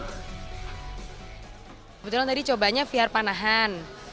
kebetulan tadi cobanya vr panahan